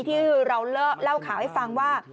ที่เราเล่าข่าวให้ฟังว่า